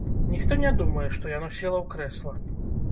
Ніхто не думае, што яно села ў крэсла.